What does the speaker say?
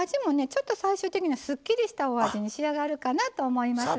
ちょっと最終的にはすっきりしたお味に仕上がるかなと思います。